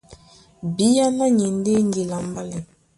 Bíáná ni e ndé ŋgila a mbálɛ.